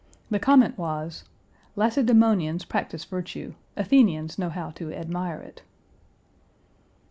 The comment was, "Lacedemonians practice virtue; Athenians know how to admire it."